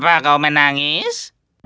kenapa kau menangis